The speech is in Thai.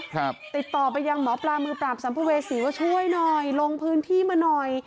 ติดต่อไปยังหมอปลามือปราบสัมภเวษีว่าช่วยหน่อยลงพื้นที่มาหน่อย